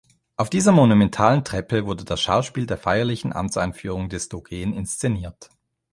Auf dieser monumentalen Treppe wurde das Schauspiel der feierlichen Amtseinführung des Dogen inszeniert.